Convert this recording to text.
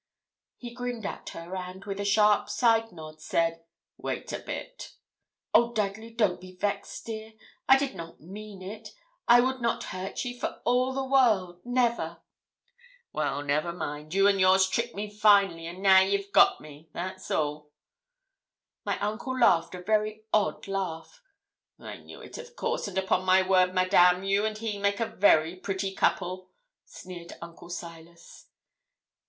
He grinned at her, and, with a sharp side nod, said 'Wait a bit.' 'Oh, Dudley, don't be vexed, dear. I did not mean it. I would not hurt ye for all the world. Never.' 'Well, never mind. You and yours tricked me finely; and now you've got me that's all.' My uncle laughed a very odd laugh. 'I knew it, of course; and upon my word, madame, you and he make a very pretty couple,' sneered Uncle Silas.